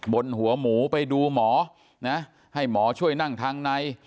บนหัวหมูไปดูหมอนะให้หมอช่วยนั่งทางใน